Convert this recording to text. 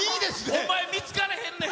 お前、見つからへんねん。